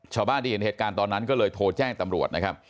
ชาวบ้านที่เห็นเหตุการณ์ตอนนั้นก็เลยโทรแจ้งตำรวจนะครับ